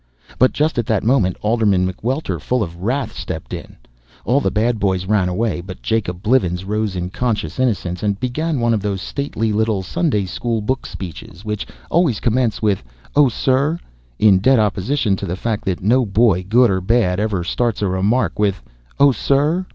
But just at that moment Alderman McWelter, full of wrath, stepped in. All the bad boys ran away, but Jacob Blivens rose in conscious innocence and began one of those stately little Sunday school book speeches which always commence with "Oh, sir!" in dead opposition to the fact that no boy, good or bad, ever starts a remark with "Oh, sir."